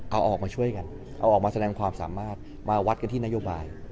เอาออกมาช่วยกันเอาออกมาแสดงความสามารถมาวัดกันที่นโยบาย